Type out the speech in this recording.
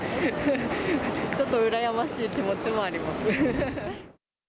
ちょっとうらやましい気持ちもあります。